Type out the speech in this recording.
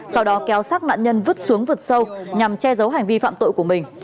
sau đó kéo xác nạn nhân vứt xuống vượt sâu nhằm che giấu hành vi phạm tội của mình